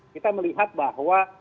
kita melihat bahwa